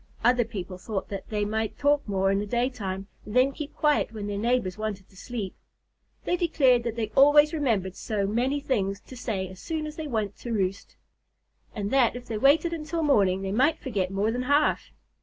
Other people thought that they might talk more in the daytime and then keep quiet when their neighbors wanted to sleep. They declared that they always remembered so many things to say as soon as they went to roost, and that if they waited until morning they might forget more than half.